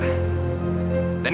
dan ini kan